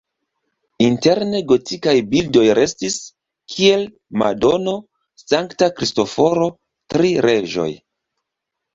Interne gotikaj bildoj restis, kiel Madono, Sankta Kristoforo, Tri reĝoj.